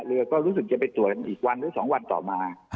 เรือก็รู้สึกจะไปตรวจอีกวันหรือ๒วันต่อมา